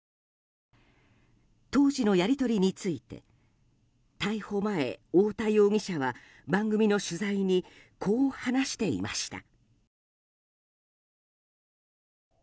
当時のやり取りについて逮捕前、太田容疑者は番組の取材にこう話していました。